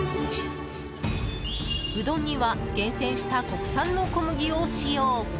うどんには厳選した国産の小麦を使用。